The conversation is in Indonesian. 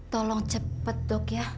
tolong cepat dok ya